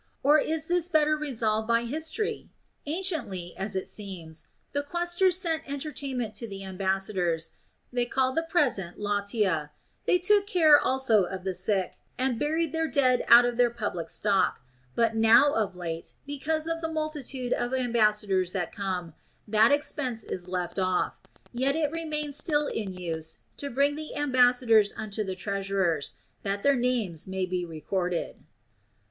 Or is this better resolved by history ? Anciently (as it seems) the quaestors sent entertainment to the ambassadors (they called the present Icmtia), they took care also of the sick, and buried their dead out of their public stock ; but now of late, because of the multitude of ambassadors that come, that expense is left off; yet it remains still in use to bring the ambassadors unto the treasurers, that their names may be recorded.